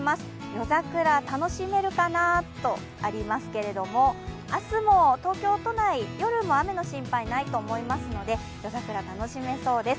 夜桜、楽しめるかなとありますけれども、明日も東京都内、夜も雨の心配、ないと思いますので夜桜、楽しめそうです。